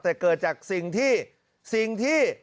แต่เกิดจากสิ่งที่สิ่งที่